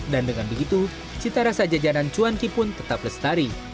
dan dengan begitu cita rasa jajanan cuanki pun tetap lestari